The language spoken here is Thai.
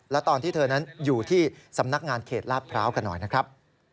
และตอนที่เธอนั้นอยู่ที่สำนักงานเขตลาดพร้าวกันหน่อยนะครับ